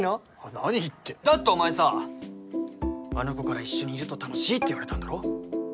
何言ってだってお前さあの子から一緒にいると楽しいって言われたんだろ？